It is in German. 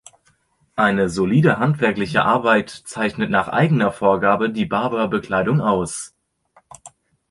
Eine solide handwerkliche Arbeit zeichnet nach eigener Vorgabe die Barbour-Bekleidung aus.